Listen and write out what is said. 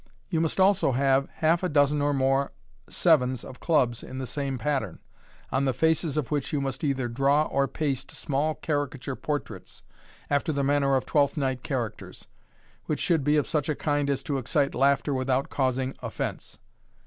You must also have half a dozen or more sevens of clubs of the same pattern, on the faces of which you must either draw or paste small caricature portraits, after the manner of Twelfth Night characters ; which should be of such a kind as to excite laughter without causing offence.